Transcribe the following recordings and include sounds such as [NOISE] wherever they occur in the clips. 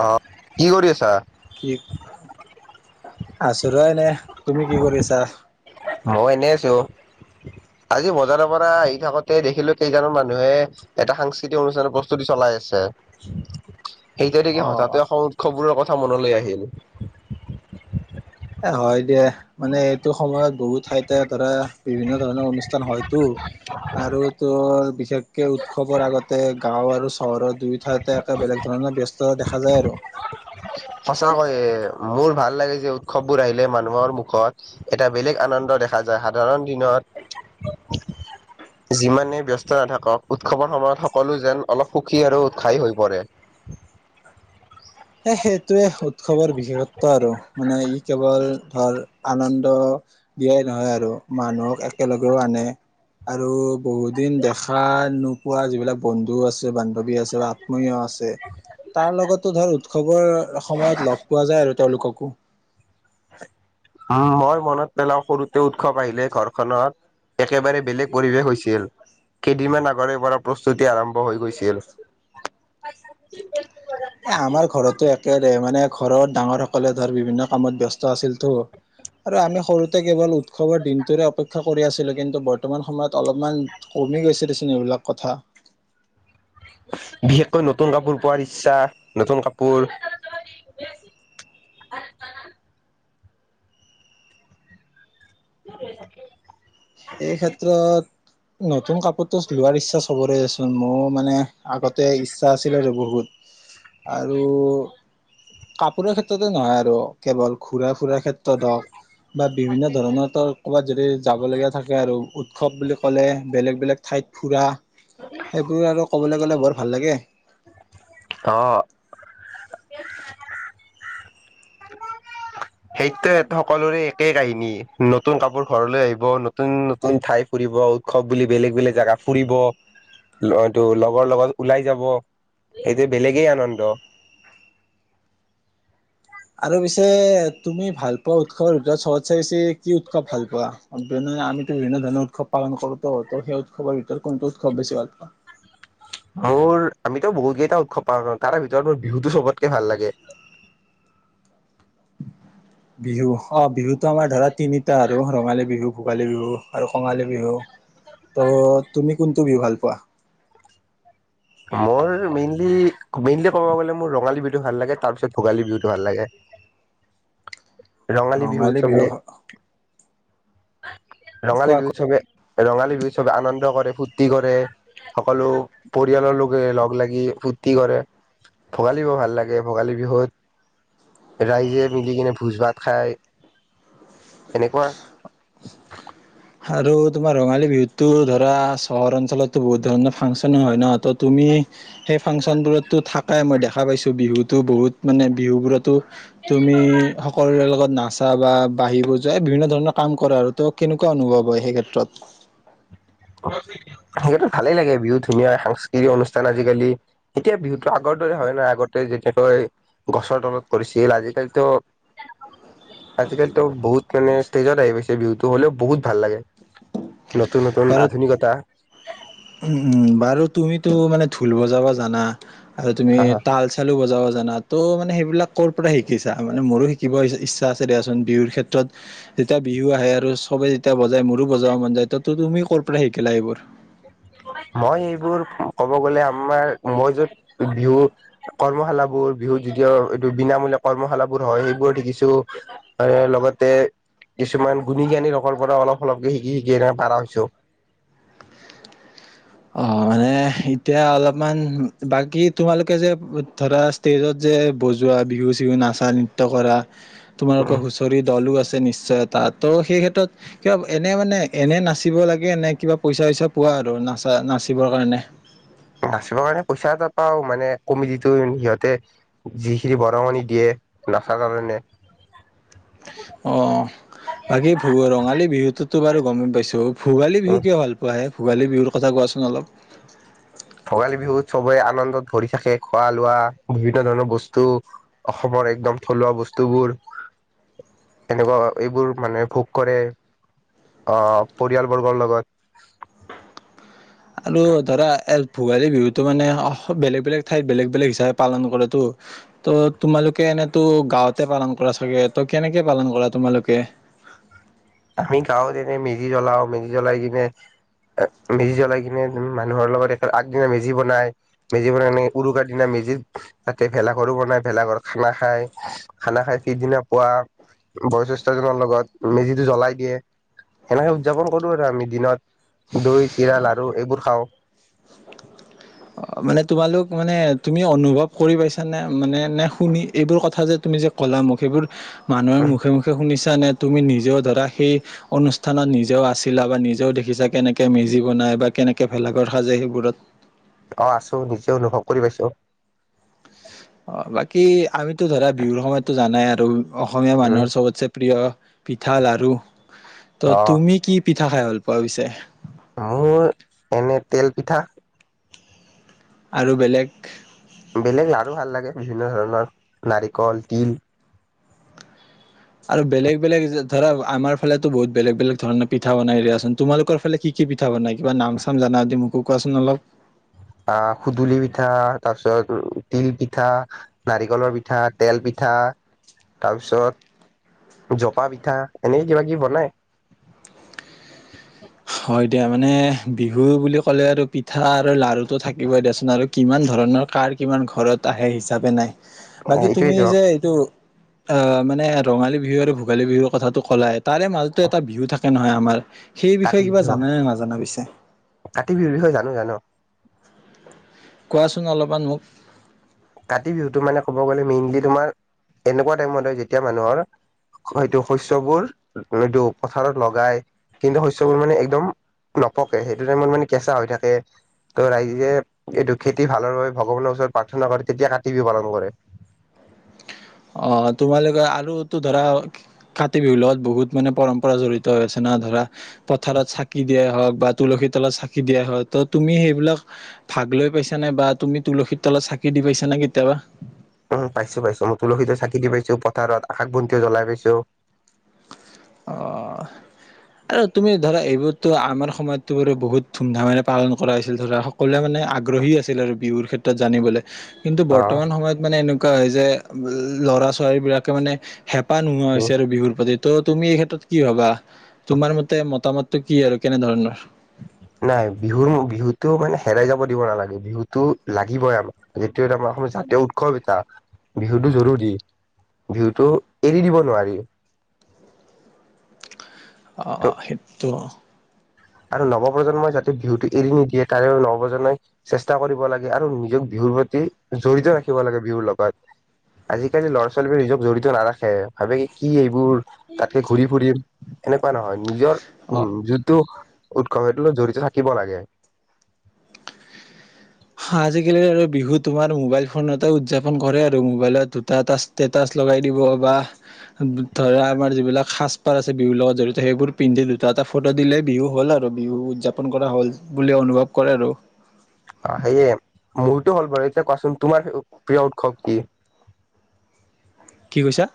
অ কি কৰি আছা? কি আছ ৰ এনেই, তুমি কি কৰি আছা? মই এনেই আছো, আজি বজাৰৰ পৰা আহি থাকোতে দেখিলো কেইজন মানুহে এটা সাংস্কৃতিক অনুষ্ঠানৰ প্ৰস্তুতি চলাই আছে। সেইটোৱে কি হঠাতে অ' এ সং উৎসৱবোৰৰ কথা মনলৈ আহিল। এ হয় দিয়া। মানে এইটো সময়ত বহুত ঠাইতে ধৰা বিভিন্ন ধৰণৰ অনুষ্ঠান হয়তটো। আৰু তো বিশেষকে উৎসৱৰ আগতে গাঁও আৰু চহৰৰ দুয়ো ঠাইত একে বেলেগ ধৰণৰ ব্যস্ততা দেখা যায় আৰু। সঁচাকৈয়ে, মোৰ ভাল লাগে যে উৎসৱবোৰ আহিলে মানুহৰ মুখত এটা বেলেগ আনন্দ দেখা যায়। সাধাৰণ দিনত [INAUDIBLE] যিমানে ব্যস্ত নাথাকক উৎসৱৰ সময়ত সকলো যেন অলপ সুখী আৰু উৎসাহী হৈ পৰে। হে সেইটোৱে উৎসৱৰ বিশেষত্ব আৰু মানে ই কেৱল ধৰ আনন্দ দিয়াই নহয় আৰু, মানুহক একেলগেও আনে। আৰু বহু দিন দেখা নোপোৱা যিবিলাক বন্ধু আছে বান্ধৱী আছে বা আত্মীয় আছে, তাৰ লগতো ধৰ উৎসৱৰ সময়ত লগ পোৱা যায় আৰু তেওঁলোককো। উম, মই মনত পেলাও সৰুতে উৎসৱ আহিলে ঘৰখনত একেবাৰে বেলেগ পৰিৱেশ হৈছিল। কেইদিনমান আগৰে পৰা প্ৰস্তুতি আৰম্ভ হৈ গৈছিল। এ' আমাৰ ঘৰতো একেৰে মানে ঘৰত ডাঙৰ সকলে ধৰ বিভিন্ন কামত ব্যস্ত আছিলতো! আৰু আমি সৰুতে কেৱল উ উৎসবৰ দিনটোৰে অপেক্ষা কৰি আছিলোঁ কিন্তু বৰ্তমান সময়ত অলপমান কমি গৈছিল দেচোন এইবিলাক কথা। বিশেষকৈ নতুন কাপোৰ পোৱাৰ ইচ্ছা নতুন কাপোৰ [INAUDIBLE] এই ক্ষেত্ৰত নতুন কাপোৰটো লোৱাৰ ইচ্ছা চব চোন মোৰ মানে আগতে ইচ্ছা আছিলে বহুত। আৰু কাপোৰৰ ক্ষেত্ৰতে নহয় আৰু কেৱল ঘুৰা- ফুৰাৰ ক্ষেত ধওক বা বিভিন্ন ধৰণৰ ক'ৰবাত যদি যাবলগীয়া থাকে আৰু উৎসৱ বুলি ক'লে বেলেগ বেলেগ ঠাইত ফুৰা সেইবোৰ আৰু ক'বলৈ গ'লে বৰ ভাল লাগে। অ'। সেইটোৱে সকলোৰে একেই কাহিনী নতুন কাপোৰ ঘৰলৈ আহিব নতুন নতুন ঠাই ফুৰিব উৎসৱ বুলি বেলেগ বেলেগ জেগা ফুৰিব। তটো লগৰ লগত ওলাই যাব সেইটোৱে বেলেগেই আনন্দ। আৰু পিছে তুমি ভাল পোৱা উৎসৱৰ ভিতৰত চবতছে বেছি কি উৎসৱ ভাল পোৱা? [UNINTELLIGIBLE] আমিতো বিভিন্ন ধৰণৰ উৎসৱ পালন কৰো সেই উৎসৱৰ ভিতৰত কোনটো উৎসৱ বেছি ভাল ন মোৰ আমিতো বহুত কেইটা উৎসৱ পালন কৰো তাৰ ভিতৰত মোৰ বিহুটো চ'বতকে ভাল লাগে। বিহু অ বিহুতো আমাৰ ধৰা তিনিটা আৰু ৰঙালী বিহু ভোগালী বিহু আৰু কঙালী বিহু। ত' তুমি কোনটো বিহু ভাল পোৱা? মোৰ মেইনলি মেইনলি ক'ব গ'লে মোৰ ৰঙালী বিহুতো ভাল লাগে তাৰ পিছত ভোগালী বিহুতো ভাল লাগে ৰঙালী বিহুত ৰঙালি চবে বিহু ৰঙালী কোৱা বিহু কোৱা চ'বে ৰঙালী বিহুত চবে আনন্দ কৰে ফূৰ্তি কৰে সকলো পৰিয়ালৰ লোকে লগ লাগি ফূৰ্তি কৰে ভোগালী বিহু ভাল লাগে ভোগালী বিহুত ৰাইজে মিলি কিনে ভোজ ভাত খাই এনেকুৱা আৰু তোমাৰ ৰঙালী বিহুটো ধৰা চহৰ অঞ্চলতো বহুত ধৰণৰ ফাংচনো হয় ন তো তুমি সেই ফাংচন বোৰতো থাকাই মই দেখা পাইছো বিহুতো বহুত মানে বিহু বোৰতো তুমি সৰে লগত নাচা বাঢ়িব যায় বিভিন্ন ধৰণৰ কাম কৰে আৰু ত কেনেকু কেনেকুৱা অনুভৱ হয় সেই ক্ষেত্ৰত? সেইতো ভালেই লাগে বিহুত ধুনীয়া সাংস্কৃতিক অনুষ্ঠান আজিকালি এতিয়া বিহুতো আগৰ দৰে হয় নাই আগতে যেনেকৈ গছৰ তলত কৰিছিল আজিকালিতো [INAUDIBLE] আজিকালিতো বহুত মানে ষ্টেজত আহি পাইছে বিহুটো হ'লেও বহুত ভাল লাগে। নতুন নতুন বাৰু আধুনিকতা। উম, উম বাৰু তুমিতো মানে ঢোল বজাব জানা আৰু তুমি আহ তাল খোলো বজাব জানা তো মানে সেইবিলাক'ৰ পৰাই শিকিছা মানে মোৰো শিকিব ইচ্ছা আছে দিয়াচোন বিহুৰ ক্ষেত্ৰত যেতিয়া বিহু আহে আৰু চবে যেতিয়া বজাই মোৰো বজাব মন যায় ত তুমি ক'ৰ পৰাই শিকিলা এইবোৰ মই এইবোৰ ক'ব গ'লে আমাৰ মই য'ত বিহু কৰ্মশালাবোৰ বিহুত এইটো বিনামূলীয়া কৰ্মশালাাবোৰ হয় সেইবোৰ শিকিছোঁ। আৰু লগতে কিছুমান গুণী - জ্ঞানী লোকৰ পৰা অলপ অলপকে শিকি শিকি এ পাৰা হৈছো। অ' মানে। এতিয়া অলপমান বাকী তোমালোকে যে ধৰা ষ্টেজত যে বজোৱা বিহু চিহু নাচা নৃত্য কৰা উম তোমালোকৰু ধৰি দলো আছে নিশ্চয় তাত তো সেই ক্ষেত্ৰত কিবা এনে মানে এনে নাচিব লাগে এনে কিবা পইচা চইচা পোৱা আৰু নাচা নাচিবৰ কাৰণে নাচিবৰ কাৰণে পইচা এটা পাওঁ, মানে কমিটিটো সিহঁতে যিখিনি বৰঙণি দিয়ে নাচাৰ কাৰণে। অহ। বাকী ভ ৰঙালী বিহুটোতো বাৰু গমেই পাইছোঁ ভোগালী বিহু উম কিয় ভাল পোৱা আহে ভোগালী বিহুৰ কথা কোৱাচোন অলপ? ভোগালী বিহুত চবে আনন্দত ভৰি থাকে খোৱা লোৱা বিভিন্ন ধৰণৰ বস্তু অসমৰ একদম থলুৱা বস্তুবোৰ। এনেকুৱা এইবোৰ মানে ভোগ কৰে আহ পৰিয়াল বৰ্গৰ লগত আৰু ধৰা ভোগালী বিহুটো মানে বেলেগ বেলেগ ঠাইত বেলেগ বেলেগ হিচাপে পালন কৰেটো। ত' তোমালোকে এনেতো গাঁৱতে পালন কৰা চাগে ত' কেনেকে পালন কৰা তোমালোকে আমি গাঁওঁত এনে মেজি জ্বলাও মেজি জ্বলাই কিনে মেজি জ্বলাই কিনে মানুহৰ লগত এ আগদিনা মেজি বনাই মেজি বনায় কিনে উৰুকাৰ দিনা মেজিৰ তাতে ভেলাঘৰো বনাই ভেলাঘৰত খানা খায় খানা খাই পিছদিনা পোৱা বয়েখেষ্ঠজনৰ লগত মেজি জ্বলাই দিয়ে সেনেকে উদযাপন কৰো আৰু আমি দিনত দৈ চিৰা লাৰু এইবোৰ খাওঁ অ মানে তোমালোক মানে তুমি অনুভৱ কৰি পাইছ নে মানে নে শুনি এইবোৰ কথা যে তুমি যে কলামখি সেইবোৰ মানুহৰ মুখে মুখে শুনিছা নে তুমি নিজেও ধৰা সেই অনুষ্ঠানত নিজেও আছিলা বা নিজেও দেখিছা কেনেকৈ মেজি বনাই বা কেনেকৈ ভেলাঘৰ সাজে সেইবোৰত অঁ আছো নিজে অনুভৱ কৰি পাইছো। অঁ বাকী আমিতো ধৰা বিহুৰ সময়তো জানাই আৰু অসমীয়া উম মানুহৰ চবতছে প্ৰিয় পিঠা লাৰু ত' অ তুমি কি পিঠা খাই ভাল পোৱা পিছে? মোৰ এনে তেল পিঠা। আৰু বেলেগ বেলেগ লাৰু ভাল লাগে বিভিন্ন ধৰণৰ নাৰিকল, তিল। আৰু বেলেগ বেলেগ ধৰা আমাৰ ফালেতো বহুত বলেগ বেলেগ ধৰণ পিঠা বনাই দিয়াচোন। তোমালোকৰ ফালে কি কি পিঠা বনায়, কিবা নাম চাম জানা যদি মোকো কোৱাচোন অলপ? আহ হোদুলি পিঠা তাৰ পিছত তিল পিঠা নাৰিকলৰ পিঠা, তেল পিঠা তাৰপিছত, জপা পিঠা এনে কিবা কিবি বনাই হয় দিয়া। মানে বিহু বুলি ক'লে আৰু পিঠা আৰু লাৰুটো থাকিবই দিয়াচোন আৰু কিমান ধৰণৰ কাৰ কিমান ঘৰত আহে হিচাপে নাই বাকী তুমি সেইটোয়েতো যে এইটো অ মানে ৰঙালী বিহু আৰু ভোগালী বিহুৰ কথাটো ক'লাই। তাৰে মাজটো এটা বিহু থাকে নহয় আমাৰ। সেই বিষয়ে কাতি কিবা বিহু হক জানানে নাজানা পিছে কাতি বিহুৰ বিষয়ে জানো জানো কোৱাচোন অলপমান মোক কাতি বিহুটো মানে ক'ব গ'লে মেইনলি তোমাৰ এনেকুৱা টাইমত হয়, যেতিয়া মানুহৰ সেইটো শস্যবোৰ এইটো পথাৰত লগাই। কিন্তু শস্যবোৰ মানে একদম নপকে সেইটো টাইমত মানে কেঁচা হৈ থাকে ত ৰাইজে এইটো খেতি ভালৰ বাবে ভগৱানৰ ওচৰত প্ৰাৰ্থনা কৰে তেতিয়া কাতি বিহ পালন কৰে অ তোমালোকে আলু তো ধৰা কাতি বিহু লগত বহুত মানে পৰম্পৰা জড়িত হৈ আছে, না ধৰা পথাৰত চাকি দিয়াই হওঁক বা তুলসীৰ তলত চাকি দিয়া হয় ত তুমি সেইবিলাক ভাগ লৈ পাইছা নে, বা তুমি তুলসীৰ তলত চাকি দি পাইছা নে কেতিয়াবা? উম, পাইছো পাইছো, মই তুলসীৰ তলত চাকি দি পাইছো, পথাৰত আকাশ বন্তিও জ্বলাই পাইছো। অঁ। আৰু তুমি ধৰা এইবোৰতো আমাৰ সময়তটো বাৰু বহুত ধুমধামেৰে পালন কৰা হৈছিল ধৰা সকলোৱে মানে আগ্ৰহী আছিল আৰু বিহুৰ ক্ষেত্ৰত জানিবলৈ, কিন্তু অ বৰ্তমান সময়ত মানে এনেকুৱা হয় যে উ ল'ৰা ছোৱালী বিলাকে মানে হেঁপাহ নোহোৱা হৈছে উম আৰু বিহুৰ প্ৰতি। ত' তুমি এই ক্ষেত্ৰত কি ভাবা, তোমাৰ মতে মতামতটো কি আৰু কেনেধৰণৰ? নাই, বিহু বিহুটো মানে হেৰাই যাব দিব নালাগে, বিহুটো লাগিবই আমাক। সেইটোৱে আৰু সমস্যা বিহুটো আমাৰ অসমত জাতীয় উৎসৱ এটা, বিহুটো জৰুৰী। বিহুটো এৰি দিব নোৱাৰি। ত অঁ সেইটো। আৰু নৱপ্ৰজন্মই যাতে বিহুটো এৰি নিদিয়ে, তাৰেও নৱপ্ৰজন্মই চেষ্টা কৰিব লাগে, আৰু নিজক বিহুৰ প্ৰতি জড়িত ৰাখিব লাগে বিহুৰ লগত। আজিকালি ল'ৰা ছোৱালীবোৰে নিজক জড়িত নাৰাখে, ভাবে কি কি এইবোৰ, তাতকে ঘূৰি ফুৰিম। এনেকুৱা নহয়, নিজৰ অ' উম যোনটো উৎসৱ সেইটো লগত জড়িত থাকিব লাগে। আজিকালি আৰু বিহু তোমাৰ মোবাইল ফোনটে উদযাপন কৰে আৰু, মোবাইলত দুটা এটা ষ্টেটাছ লগাই দিব বা ধৰা আমাৰ যিবিলাক সাজপাৰ আছে বিহুৰ লগত জড়িত সেইবোৰ পিন্ধি দুটা এটা ফটো দিলেই বিহু হ'ল আৰু বিহু উদযাপন কৰা হ'ল বুলি অনুভৱ কৰে আৰু। অঁ সেয়ে, মোৰতো হ'ল বাৰু এতিয়া কোৱাচোন তোমাৰ প্ৰিয় উৎসৱ কি? কি কৈছা?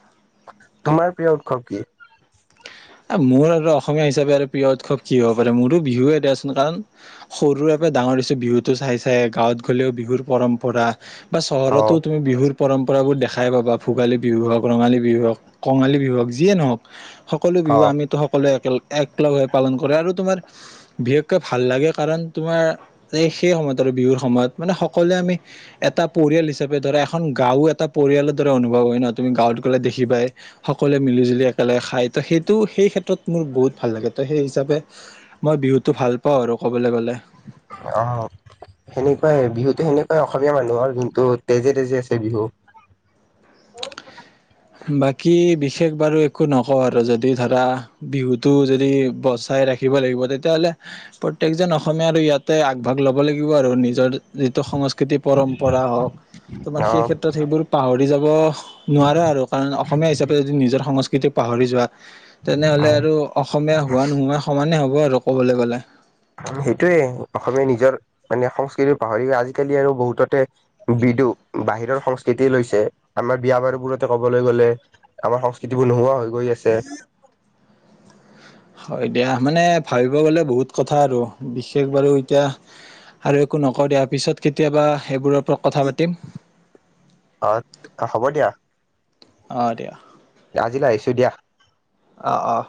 তোমাৰ প্ৰিয় উৎসৱ কি? মোৰ আৰু অসমীয়া হিচাপে আৰু প্ৰিয় উৎসৱ কি হ'ব পাৰে মোৰো বিহুয়ে দিয়াচোন, কাৰণ সৰুৰে পৰা ডাঙৰ হৈছো বিহুটো চাই চাইয়ে, গাঁৱত গ'লেও বিহুৰ পৰম্পৰা বা অ চহৰতো তুমি বিহুৰ পৰম্পৰাবোৰ দেখাই পাবা, ভোগালী বিহু হওক, ৰঙালী বিহু হওক। কঙালী বিহু হওক, যিয়ে নহওক, সকলো অ বিহুয়ে আমিতো সকলোৱে একেলগে একলগ হৈ পালন কৰে, আৰু তোমাৰ বিশেষকৈ ভাল লাগে কাৰণ তোমাৰ এই সেই সময়ত আৰু বিহুৰ সময়ত, মানে সকলোৱে আমি এটা পৰিয়াল হিচাপে ধৰা এখন গাঁও এটা পৰিয়ালৰ দৰে অনুভৱ হয় ন, তুমি গাঁৱত গ'লে দেখিবাই। সকলোৱে মিলি জুলি একেলগে খায় ত' সেইটো সেই ক্ষেত্ৰত মোৰ বহুত ভাল লাগে। ত' সেই হিচাপে মই বিহুটো ভাল পাওঁ আৰু ক'বলৈ গ'লে। অঁ, সেনেকুৱাই‌ বিহুতো সেনেকুৱাই অসমীয়া মানুহৰ যোনটো তেজে তেজে আছে বিহু। বাকী বিশেষ বাৰু একো নকওঁ আৰু, যদি ধৰা বিহুটো যদি বচাই ৰাখি ৰাখিব লাগিব। তেতিয়াহ'লে প্ৰত্যেকজন অসমীয়া আৰু ইয়াতে আগভাগ ল'ব লাগিব আৰু নিজৰ যিটো সং স্কৃতি পৰম্পৰা হওক তোমাৰ অ সেই ক্ষেত্ৰত সেইবোৰ পাহৰি যাব নোৱাৰা আৰু। কাৰণ অসমীয়া হিচাপে যদি নিজৰ সংস্কৃতিক পাহৰি যোৱা তেনেহ'লে আৰু অসমীয়া হোৱা নোহোৱা সমানে হ'ব আৰু ক'বলে গ'লে। সেইটোৱে অসমীয়াই নিজৰ মানে সংস্কৃতি পাহৰি আজিকালি আৰু বহুততে বিদু বাহিৰৰ সংস্কৃতি লৈছে, আমাৰ বিয়া বাৰু বোৰতে ক'বলৈ গ'লে আমাৰ সংস্কৃতিবোৰ নোহোৱা হৈ গৈ আছে। হয় দিয়া, মানে ভাবিব গ'লে বহুত কথা আৰু বিশেষ বাৰু এতিয়া আৰু একো নকওঁ দিয়া, পিছত কেতিয়াবা এইবোৰৰ ওপৰত কথা পাতিম। অত, হ'ব দিয়া। অ দিয়া। আজিলৈ আহিছো দিয়া। অ অ।